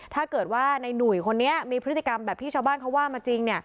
ถ้าเกิดว่าในหนุ่ยคนนี้มีพฤติกรรมแบบที่ชาวบ้านเขาว่ามาจริง